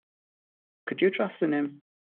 Could you trust in him?